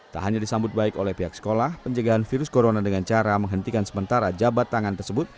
tak hanya disambut baik oleh pihak sekolah penjagaan virus corona dengan cara menghentikan sementara jabat tangan tersebut